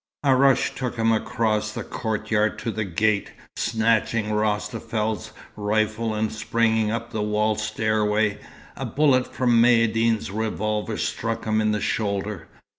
A rush took him across the courtyard to the gate; snatching Rostafel's rifle and springing up the wall stairway, a bullet from Maïeddine's revolver struck him in the shoulder.